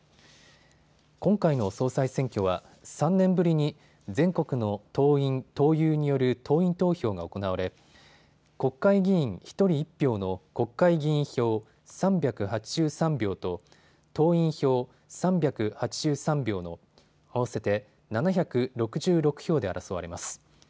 今回の総裁選挙は３年ぶりに全国の党員・党友による党員投票が行われ国会議員１人１票の国会議員票３８３票と党員票３８３票の合わせて７６６票で争われます。